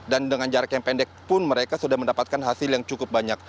dan dengan jarak yang pendek pun mereka sudah mendapatkan hasil yang cukup banyak